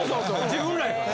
自分らやから。